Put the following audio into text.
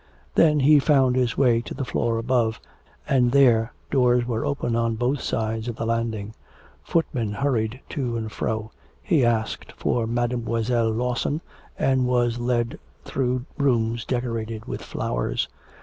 Then he found his way to the floor above, and there doors were open on both sides of the landing; footmen hurried to and fro. He asked for Mademoiselle Lawson, and was led through rooms decorated with flowers.